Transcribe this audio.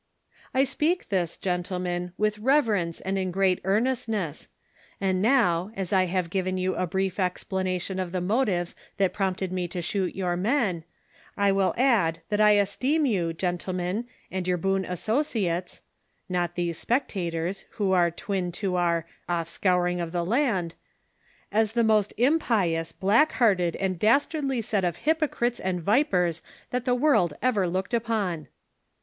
] I speak this, gentlemen, with reverence and in great earnestness ; and now, as I have given you a brief explana THE CONSPIRATORS AND LOVEES. 359 tion of the motives that prompted me to shoot your men, I will add that I esteem you, gentlemen, and your boon associates (not these spectators, who are twin to our " off scouring of the land ") as the most impious, black hearted and dastardly set of hypocrites and vipers that the world ever looked upon.